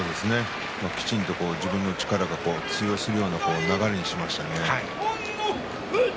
きちんと自分の力が通用する流れにしましたね。